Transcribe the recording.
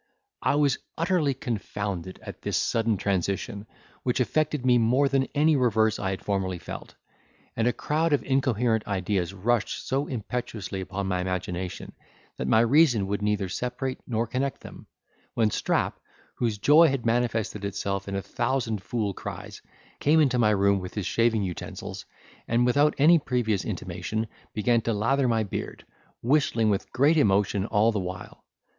I was utterly confounded at this sudden transition, which affected me more than any reverse I had formerly felt; and a crowd of incoherent ideas rushed so impetuously upon my imagination, that my reason could neither separate nor connect them; when Strap, whose joy had manifested itself in a thousand fool cries, came into my room with his shaving utensils, and without any previous intimation, began to lather my beard, whistling with great emotion all the while.